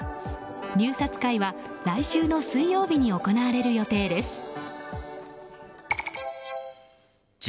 入札会は来週の水曜日に行われる予定です。